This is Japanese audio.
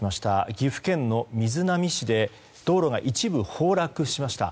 岐阜県の瑞浪市で道路が一部崩落しました。